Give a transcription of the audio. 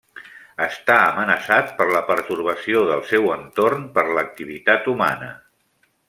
Està amenaçat per la pertorbació del seu entorn per l'activitat humana.